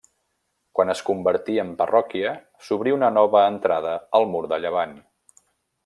Quan es convertí en parròquia s'obrí una nova entrada al mur de llevant.